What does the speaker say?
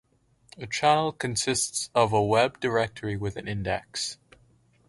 A channel consists of a web directory with an index.